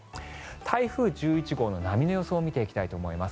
台風１１号の波の予想を見ていきたいと思います。